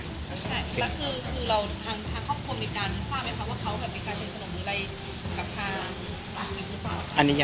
ใช่